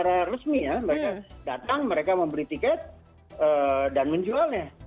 mereka datang mereka mau beli tiket dan menjualnya